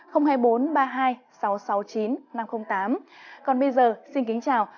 còn bây giờ xin kính chào và hẹn gặp lại